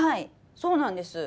そうなんです。